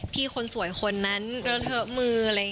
พี่คนสวยคนนั้นเยอะเทอะมือ